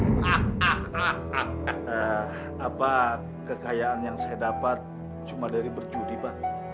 apa kekayaan yang saya dapat cuma dari berjudi pak